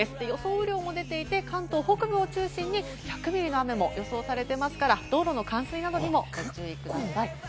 雨量も出ていて、関東甲信を中心に１００ミリと予想されていますので、道路の冠水などにもご注意ください。